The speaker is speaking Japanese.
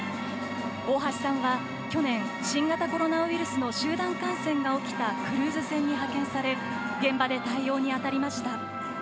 大橋さんは去年新型コロナウイルスの集団感染が起きたクルーズ船に派遣され現場で対応に当たりました。